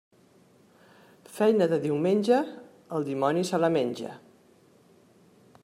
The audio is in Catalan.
Feina de diumenge, el dimoni se la menja.